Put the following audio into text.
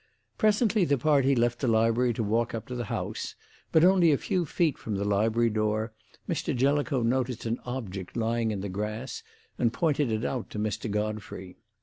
"Presently the party left the library to walk up to the house; but only a few feet from the library door Mr. Jellicoe noticed an object lying in the grass and pointed it out to Mr. Godfrey.